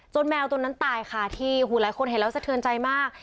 แมวตัวนั้นตายค่ะที่หลายคนเห็นแล้วสะเทือนใจมาก